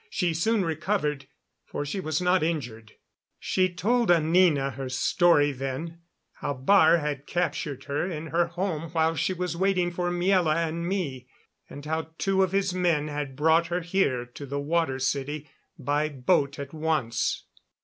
She soon recovered, for she was not injured. She told Anina her story then how Baar had captured her in her home while she was waiting for Miela and me, and how two of his men had brought her here to the Water City by boat at once.